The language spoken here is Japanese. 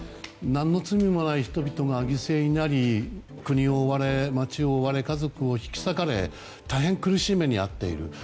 何の罪もない人々が犠牲になり国を追われ街を追われ家族を引き裂かれ大変苦しい目に遭っている。